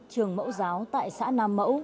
trường mẫu giáo tại xã nam mẫu